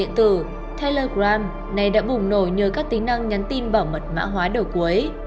điện tử telegram này đã bùng nổi như các tính năng nhắn tin bảo mật mã hóa đổi cuối